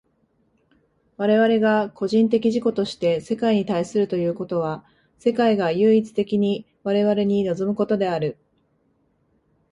我々が個人的自己として世界に対するということは、世界が唯一的に我々に臨むことである。